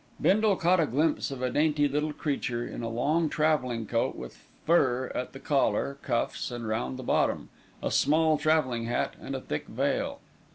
Bindle caught a glimpse of a dainty little creature in a long travelling coat with fur at the collar, cuffs and round the bottom, a small travelling hat and a thick veil.